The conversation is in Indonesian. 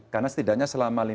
karena setidaknya selama lima